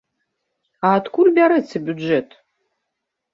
А адкуль бярэцца бюджэт?